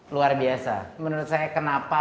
luar biasa menurut saya kenapa